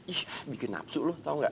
ih bikin nafsu lu tau gak